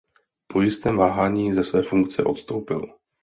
Po jistém váhání ze své funkce odstoupil.